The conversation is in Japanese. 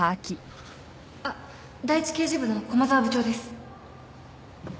あっ第１刑事部の駒沢部長です。